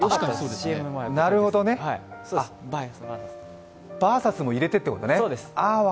なるほどね、バーサスも入れてってことね。